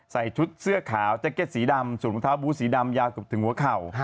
ใส่ชุดเสื้อขาวแจ็คเก็ตสีดำสวมรองเท้าบูธสีดำยาวเกือบถึงหัวเข่า